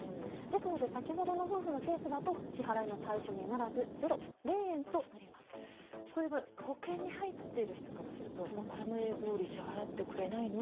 ですので先ほどの夫婦のケースだと支払いの対象にならず保険に入っている人からするとこれまでどおり支払ってくれないの？